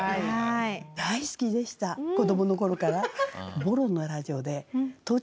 大好きでした子供の頃から。